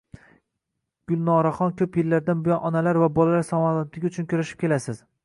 Gulnoraxon, ko`p yillardan buyon onalar va bolalar salomatligi uchun kurashib kelasiz